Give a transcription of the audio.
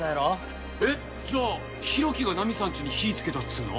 えっじゃあ浩喜がナミさんちに火つけたっつうの？